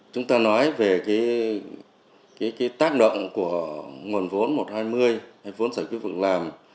chúng ta nói về cái tác động của nguồn vốn một trăm hai mươi vốn giải quyết vận làm